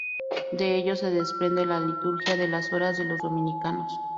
De ello se desprende la liturgia de las horas de los dominicanos.